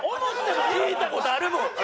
聞いた事あるもん！